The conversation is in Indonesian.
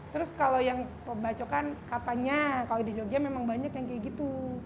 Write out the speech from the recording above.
terus kalau yang pembacokan katanya kalau di jogja memang banyak yang kayak gitu